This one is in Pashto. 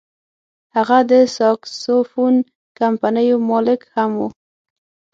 هغه د ساکسوفون کمپنیو مالک هم و.